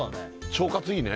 腸活いいね